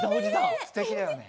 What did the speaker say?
すてきだよね。